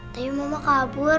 tapi mama kabur